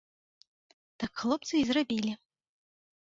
Так хлопцы і зрабілі.